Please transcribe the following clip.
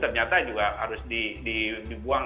ternyata juga harus dibuang